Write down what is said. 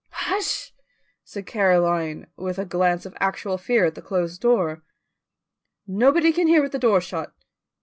"Hush!" said Caroline, with a glance of actual fear at the closed door. "Nobody can hear with the door shut."